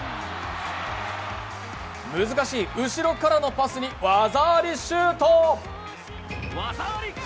難しい後ろからのパスに技ありシュート。